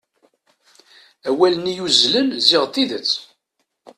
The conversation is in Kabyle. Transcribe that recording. Awal-nni yuzzlen ziɣ d tidet.